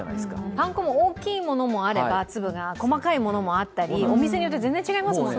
パン粉も粒の大きいものもあれば細かいものもあったり、お店によって全然違いますもんね。